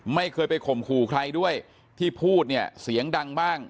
ไม่เคยไปข่มขู่ใครด้วยที่พูดเนี่ยเสียงดังบ้าง